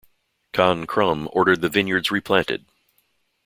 Khan Krum ordered the vineyards replanted.